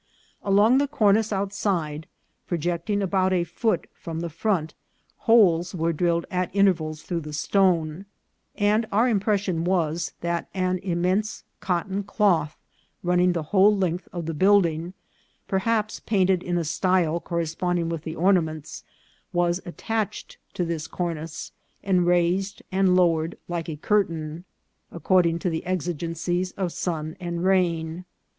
Along the cornice outside, projecting about a foot beyond the front, holes were' drilled at intervals through the stone; and our impression was, that an immense cotton cloth, running the whole length of the building, perhaps paint ed in a style corresponding with the ornaments, was at tached to this cornice, and raised and lowered like a curtain, according to the exigencies of sun and rain.